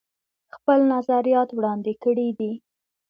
خپل نظريات وړاندې کړي دي